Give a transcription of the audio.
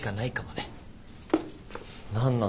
君何なの？